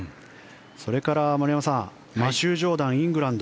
それから、丸山さんマシュー・ジョーダンイングランド。